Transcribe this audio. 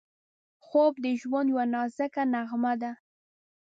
خوب د ژوند یوه نازکه نغمه ده